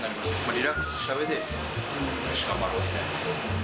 リラックスしたうえで、よし、頑張ろうみたいな。